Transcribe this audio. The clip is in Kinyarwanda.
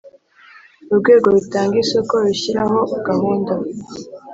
Urwego rutanga isoko rushyiraho gahunda